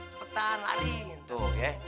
sepetan lari tuh oke